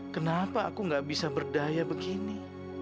kenapa aku gak bisa berdaya begini